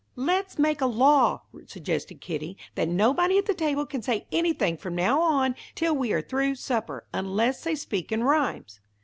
"Let's make a law," suggested Kitty, "that nobody at the table can say anything from now on till we are through supper, unless they speak in rhymes."